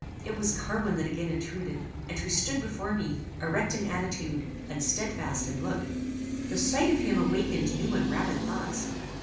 It was Carwin that again intruded, and who stood before me, erect in attitude, and stedfast in look! The sight of him awakened new and rapid thoughts.